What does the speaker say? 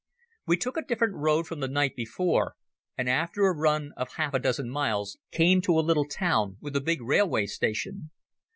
We took a different road from the night before, and after a run of half a dozen miles came to a little town with a big railway station.